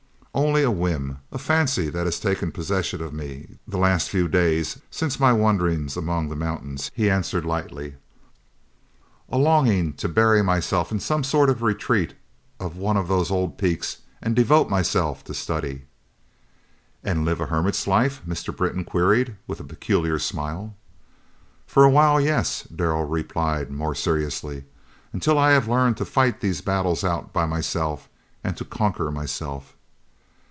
"Only a whim, a fancy that has taken possession of me the last few days, since my wanderings among the mountains," he answered, lightly; "a longing to bury myself in some sort of a retreat on one of these old peaks and devote myself to study." "And live a hermit's life?" Mr. Britton queried, with a peculiar smile. "For a while, yes," Darrell replied, more seriously; "until I have learned to fight these battles out by myself, and to conquer myself."